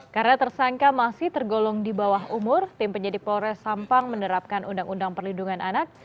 karena tersangka masih tergolong di bawah umur tim penyidik polres sampang menerapkan undang undang perlindungan anak